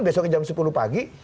besoknya jam sepuluh pagi